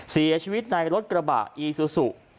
เสียชีวิตในรถกระบะอีซูซู